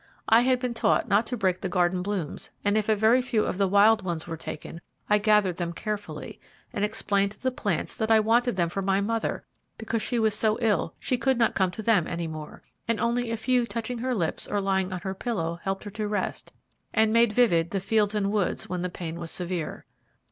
I had been taught not to break the garden blooms, and if a very few of the wild ones were taken, I gathered them carefully, and explained to the plants that I wanted them for my mother because she was so ill she could not come to them any more, and only a few touching her lips or lying on her pillow helped her to rest, and made vivid the fields and woods when the pain was severe.